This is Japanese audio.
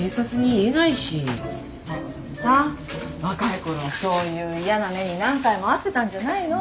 妙子さんもさ若いころはそういう嫌な目に何回も遭ってたんじゃないの？